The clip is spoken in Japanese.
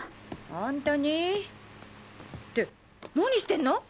本当に？って何してんの？